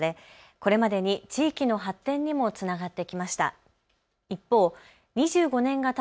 これまでに地域の発展にもつながってきました。